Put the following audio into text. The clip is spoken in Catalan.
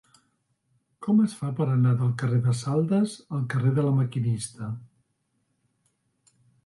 Com es fa per anar del carrer de Saldes al carrer de La Maquinista?